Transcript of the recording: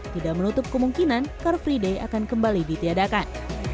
tidak menutup kemungkinan car free day akan kembali ditiadakan